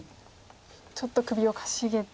ちょっと首をかしげて。